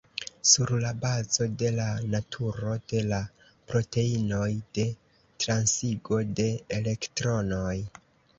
Sur la bazo de la naturo de la proteinoj de transigo de elektronoj.